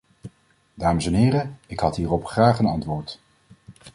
Dames en heren, ik had hierop graag een antwoord.